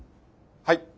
はい。